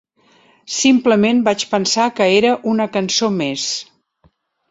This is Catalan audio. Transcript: Simplement vaig pensar que era una cançó més.